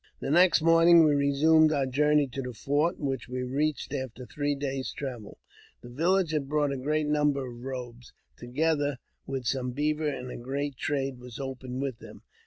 The next morning we resumed our journey to the fo which we reached after three days' travel. The village h brought a great number of robes, together with some beave and a great trade was opened with them.